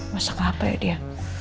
masa ke apa ya dia